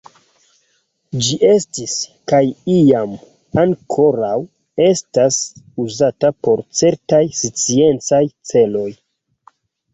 Ĝi estis, kaj iam ankoraŭ estas, uzata por certaj sciencaj celoj.